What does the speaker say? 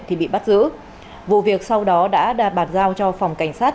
thì bị bắt giữ vụ việc sau đó đã bàn giao cho phòng cảnh sát